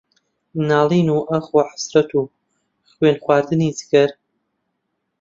ناڵین و ئاخ و حەسرەت و خوێنخواردنی جگەر